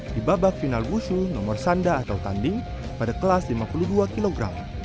di babak final wushu nomor sanda atau tanding pada kelas lima puluh dua kg